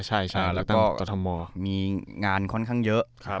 อ๋อใช่ใช่แล้วก็มีงานค่อนข้างเยอะ